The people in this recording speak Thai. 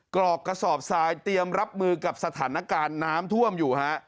กรอกกระสอบทรายเตรียมรับมือกับสถานการณ์น้ำท่วมอยู่ฮะ